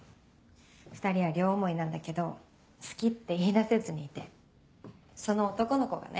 ２人は両思いなんだけど「好き」って言い出せずにいてその男の子がね